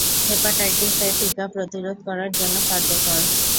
Hepatitis A টিকা প্রতিরোধ করার জন্য কার্যকর।